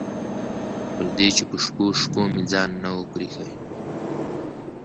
په دې چې په شپو شپو مې ځان نه و پرېښی.